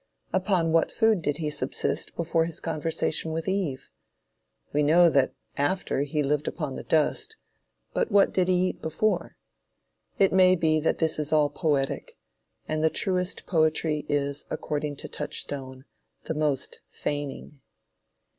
Upon what food did he subsist before his conversation with Eve? We know that after that he lived upon dust, but what did he eat before? It may be that this is all poetic; and the truest poetry is, according to Touchstone, "the most feigning."